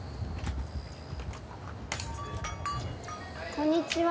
こんにちは。